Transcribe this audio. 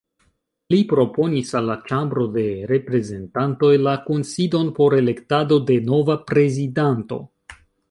Li proponis al la Ĉambro de Reprezentantoj la kunsidon por elektado de nova prezidanto.